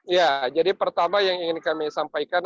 ya jadi pertama yang ingin kami sampaikan